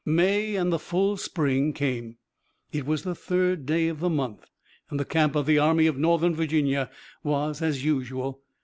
May and the full spring came. It was the third day of the month, and the camp of the Army of Northern Virginia was as usual.